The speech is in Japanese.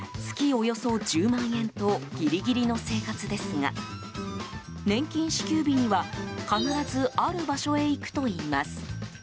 およそ１０万円とギリギリの生活ですが年金支給日には必ずある場所へ行くといいます。